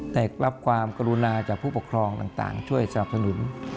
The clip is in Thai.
แต่รับความกระดูนะจากผู้ประคลองต่างช่วยสนับสนุน